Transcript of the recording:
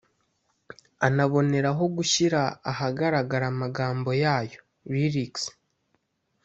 anaboneraho gushyira ahagaragara amagambo yayo (lyrics)